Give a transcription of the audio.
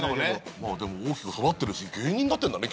まあでも大きく育ってるし芸人なってるんだね